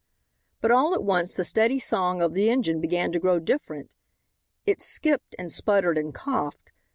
But all at once the steady song of the engine began to grow different. It "skipped" and sputtered and coughed.